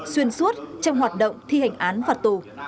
xuyên suốt trong hoạt động thi hành án phạt tù